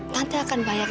tante akan bayar